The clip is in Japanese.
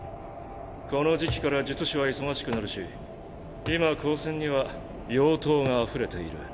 この時期から術師は忙しくなるし今高専には蠅頭があふれている。